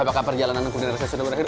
apakah perjalanan kunir saya sudah berakhir